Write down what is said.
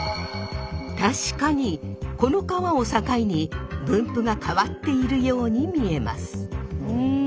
確かにこの川を境に分布が変わっているように見えます。